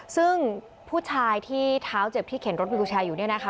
ซึ่งผู้ชายที่เท้าเจ็บที่เข็นรถวิวแชร์อยู่เนี่ยนะคะ